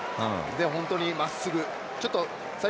本当にまっすぐ。